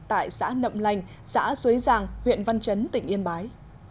tại xã nậm lành xã xuế giàng huyện văn chấn tỉnh yên bái